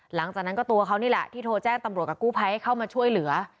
หลังจากนั้นก็ตัวเขานี่แหละที่โทรแจ้งตำรวจกับกู้ภัยให้เข้ามาช่วยเหลือ